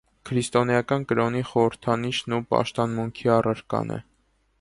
Քրիստոնեական կրօնի խորհրդանիշն ու պաշտամունքի առարկան է։